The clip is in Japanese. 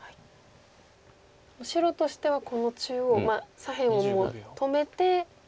白としてはこの中央左辺をもう止めて。